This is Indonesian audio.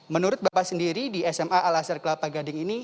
menurut bapak sendiri di sma al azhar kelapa gading ini